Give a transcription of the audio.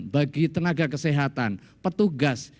bagi tenaga kesehatan petugas